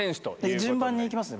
順番に行きますね。